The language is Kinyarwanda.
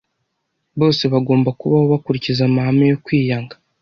Bose bagomba kubaho bakurikiza amahame yo kwiyanga.